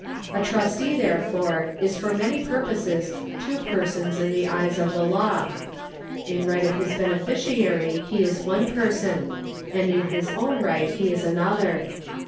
A trustee, therefore, is for many purposes two persons in the eye of the law. In right of his beneficiary he is one person, and in his own right he is another.